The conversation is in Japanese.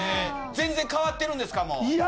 全然変わってるんですか？